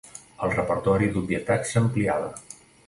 El repertori d'obvietats s'ampliava.